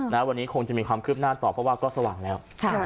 วันนี้คงจะมีความคืบหน้าต่อเพราะว่าก็สว่างแล้ว